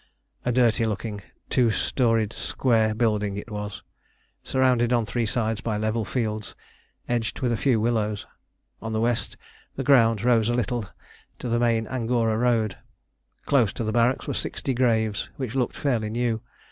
A dirty looking, two storied square building it was, surrounded on three sides by level fields edged with a few willows. On the west the ground rose a little to the main Angora road. Close to the barracks were sixty graves, which looked fairly new.